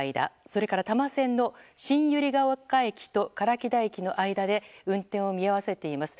それから多摩線の新百合ヶ丘駅と唐木田駅の間で運転を見合わせています。